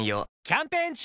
キャンペーン中！